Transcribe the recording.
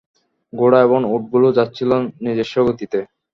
ঘোড়া এবং উটগুলো যাচ্ছিল নিজস্ব গতিতে।